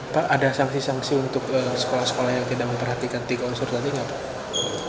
pak ada sanksi sanksi untuk sekolah sekolah yang tidak memperhatikan tiga unsur tadi nggak pak